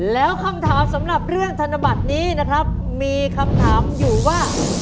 แล้วคำถามสำหรับเรื่องธนบัตรนี้นะครับมีคำถามอยู่ว่า